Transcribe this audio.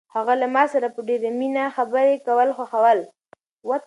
هغه له ما سره په ډېرې مینه خبرې کول خوښوي.